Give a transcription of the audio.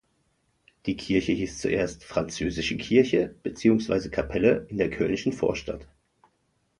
Die Kirche hieß zuerst "Französische Kirche (beziehungsweise Kapelle) in der Köllnischen Vorstadt".